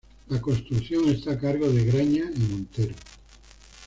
La construcción esta a cargo de Graña y Montero.